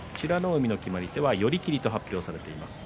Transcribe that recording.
海の決まり手は寄り切りと発表されています。